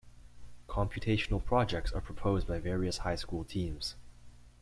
Computational projects are proposed by various high school teams.